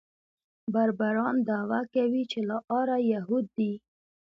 بربران دعوه کوي چې له آره یهود دي.